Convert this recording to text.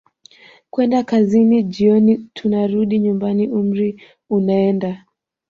kwenda kazini jioni tunarudi nyumbani umri unaenda